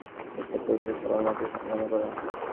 বেদান্তের উদ্দেশ্য সকল মতের সমন্বয় করা।